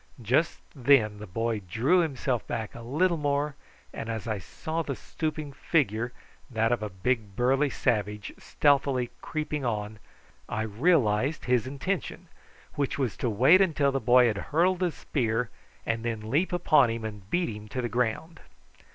Just then the boy drew himself back a little more, and as I saw the stooping figure, that of a big burly savage, stealthily creeping on, I realised his intention, which was to wait till the boy had hurled his spear and then leap upon him and beat him to the ground.